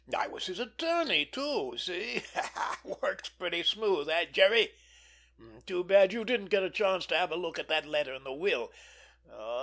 I was his attorney too—see? Works pretty smooth, eh, Jerry? Too bad you didn't get a chance to have a look at that letter and the will!